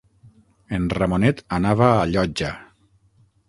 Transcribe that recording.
En Ramonet anava a Llotja.